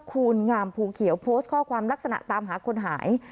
คูณงามภูเขียวโพสต์ข้อความลักษณะตามหาคนหาย